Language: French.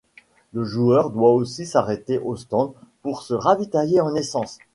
Le joueur doit aussi s'arrêter au stand pour se ravitailler en essence.